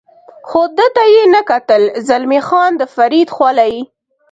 خو ده ته یې نه کتل، زلمی خان د فرید خولۍ.